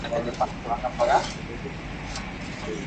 Los dos detectives deciden entrevistar al jefe de Jill, Thomas Evans.